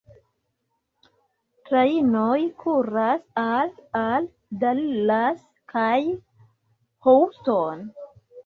Trajnoj kuras al al Dallas kaj Houston.